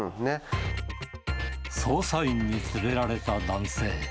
捜査員に連れられた男性。